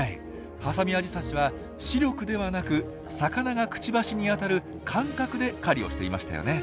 ハサミアジサシは「視力」ではなく魚がクチバシに当たる「感覚」で狩りをしていましたよね。